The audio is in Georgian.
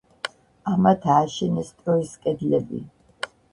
ამათ ააშენეს ტროის კედლები.